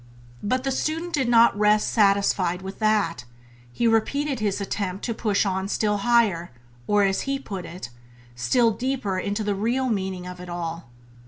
But the student did not rest satisfied with that: he repeated his attempt to push on still higher, or (as he put it) still deeper into the real meaning of it all.